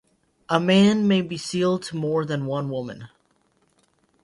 A man may be sealed to more than one woman.